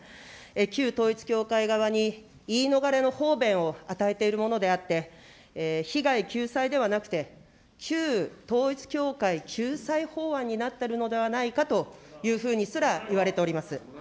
旧統一教会側に言い逃れの方便を与えているものであって、被害救済ではなくて、旧統一教会救済法案になっているのではないかというふうにすらいわれております。